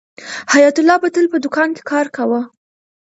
حیات الله به تل په دوکان کې کار کاوه.